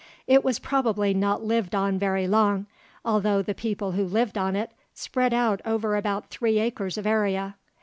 It was probably not lived on very long, although the people who lived on it spread out over about three acres of area.